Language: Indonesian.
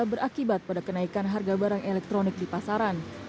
berakibat pada kenaikan harga barang elektronik di pasaran